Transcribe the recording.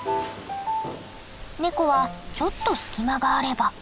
ネコはちょっと隙間があれば。